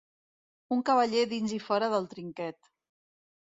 Un cavaller dins i fora del trinquet.